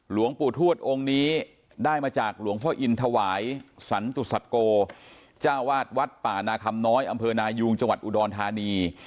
หลวงปู่ทวดองค์นี้ได้มาจากหลวงพ่ออินทวายสันตุศัตโกจ้าวาดวัดป่านาคำน้อยอำเภอนายุงจังหวัดอุดรธานี